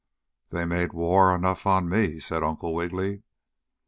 "They made war enough on me," said Uncle Wiggily.